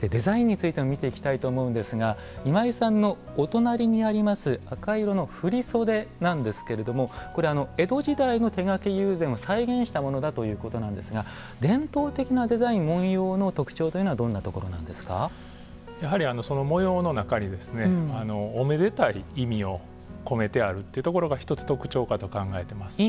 デザインについても見ていきたいと思うんですが今井さんのお隣にあります赤い色の振り袖なんですけれどもこれ、江戸時代の手描き友禅を再現したものだということなんですが伝統的なデザイン文様の特徴というのはやはりその模様の中におめでたい意味を込めてあるというところが一つ特徴かと考えてます。